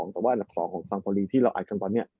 แต่ว่าดับ๒ของสังเภารีที่เราอัดทั้งวันเนี่ย